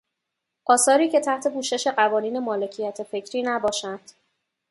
آثاری که تحت پوشش قوانین مالکیت فکری نباشند